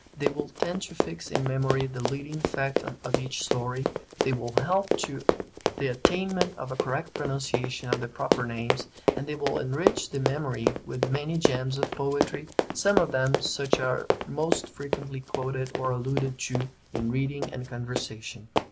They will tend to fix in memory the leading fact of each story, they will help to the attainment of a correct pronunciation of the proper names, and they will enrich the memory with many gems of poetry, some of them such as are most frequently quoted or alluded to in reading and conversation.